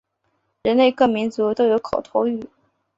人类各民族都有口头语。